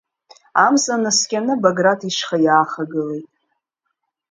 Амза наскьаны Баграт ишьха иаахагылеит.